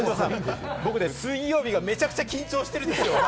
僕、水曜日がめちゃくちゃ緊張してるんですよ。